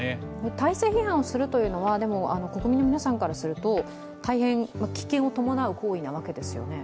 体制批判をするというのは国民の皆さんからすると大変危険を伴う行為なわけですよね？